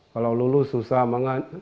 kalau luluh susah banget